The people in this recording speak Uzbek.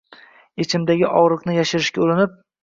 Ichimdagi og’riqni yashirishga urinib.